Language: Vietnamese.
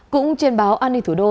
cũng trên báo an ninh thủ đô